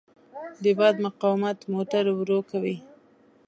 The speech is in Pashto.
د باد مقاومت موټر ورو کوي.